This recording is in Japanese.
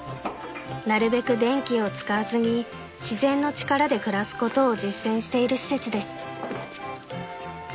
［なるべく電気を使わずに自然の力で暮らすことを実践している施設です］